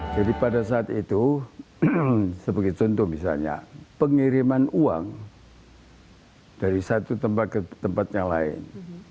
jadi pada saat itu sebagai contoh misalnya pengiriman uang dari satu tempat ke tempat yang lain